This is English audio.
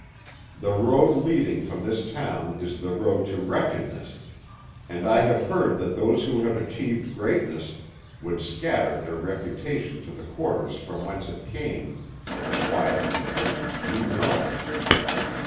The road leading from this town is the road to wretchedness, and I have heard that those who have achieved greatness would scatter their reputation to the quarters from whence it came for the quiet contentment you know.